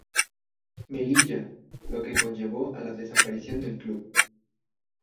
Melilla, lo que conllevó a la desaparición del club.